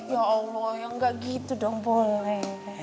ya allah enggak gitu dong boleh